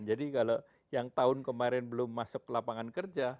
jadi kalau yang tahun kemarin belum masuk lapangan kerja